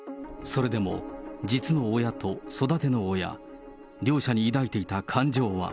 それでも実の親と育ての親、両者に抱いていた感情は。